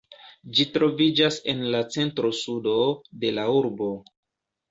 Ĝi troviĝas en la centro-sudo de la urbo.